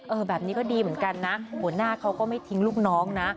แบบนี้ก็ดีเหมือนกันนะหัวหน้าเขาก็ไม่ทิ้งลูกน้องนะ